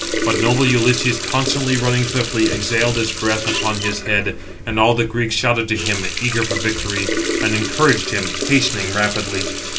But noble Ulysses, constantly running swiftly, exhaled his breath upon his head; and all the Greeks shouted to him, eager for victory, and encouraged him, hastening rapidly.